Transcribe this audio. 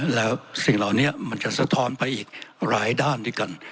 แล้วสิ่งเหล่านี้มันจะสะท้อนไปอีกหลายด้านด้วยกัน